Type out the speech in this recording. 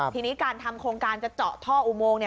ทีนี้การทำโครงการจะเจาะท่ออุโมง